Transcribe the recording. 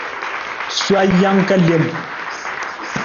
Sowa jang ka lem.